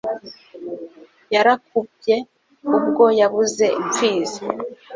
Yarakubye ubwo yabuze Imfizi